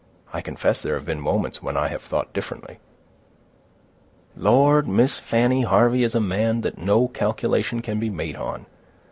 "I confess there have been moments when I have thought differently." "Lord, Miss Fanny, Harvey is a man that no calculation can be made on.